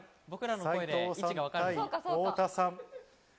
斉藤さん対太田さん。